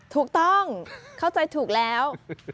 ถูกต้องเข้าใจถูกแล้ว